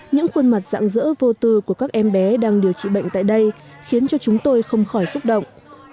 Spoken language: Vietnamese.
những khuôn mặt dạng dỡ vô tư của các em bé đang điều trị bệnh tại đây khiến cho chúng tôi không khỏi xúc động